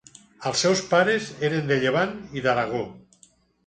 Els seus pares eren del Llevant i d'Aragó.